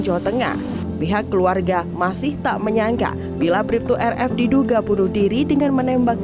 jawa tengah pihak keluarga masih tak menyangka bila bribtu rf diduga bunuh diri dengan menembak